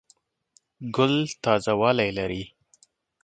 ګل تازه والی لري.